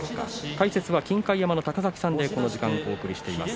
解説は金開山の高崎さんでこの時間、お送りしています。